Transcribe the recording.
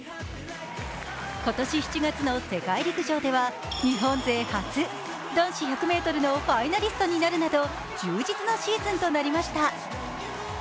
今年７月の世界陸上では日本勢初、男子１００ｍのファイナリストになるなど充実のシーズンとなりました。